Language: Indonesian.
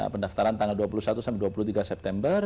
pendaftaran tanggal dua puluh satu sampai dua puluh tiga september